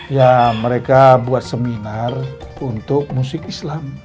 ya mereka buat seminar untuk musik islam